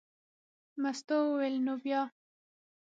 مستو وویل: نو بیا.